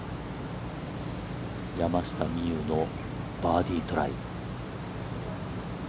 山下美夢有のバーディートライ。